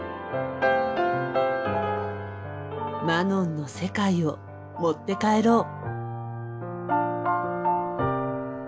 マノンの世界を持って帰ろう。